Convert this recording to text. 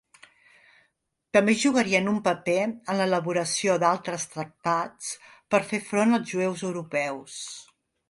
També jugarien un paper en l'elaboració d'altres tractats per fer front als jueus europeus.